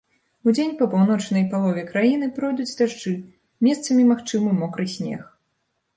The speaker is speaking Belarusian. Удзень па паўночнай палове краіны пройдуць дажджы, месцамі магчымы мокры снег.